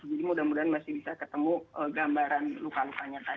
jadi mudah mudahan masih bisa ketemu gambaran luka lukanya tadi